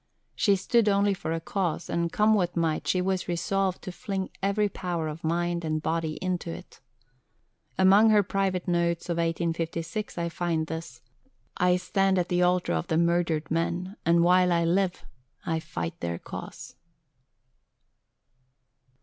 She stood only for a cause; and, come what might, she was resolved to fling every power of mind and body into it. Among her private notes of 1856 I find this: "I stand at the altar of the murdered men, and, while I live, I fight their cause."